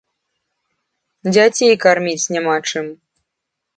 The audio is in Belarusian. Дзяцей карміць няма чым.